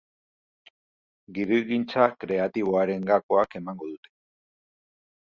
Gidoigintza kreatiboaren gakoak emango dute.